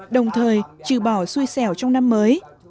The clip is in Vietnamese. đồng thời trừ bỏ xui xẻo trong năm mới